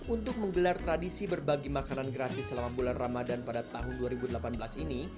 untuk menggelar tradisi berbagi makanan gratis selama bulan ramadan pada tahun dua ribu delapan belas ini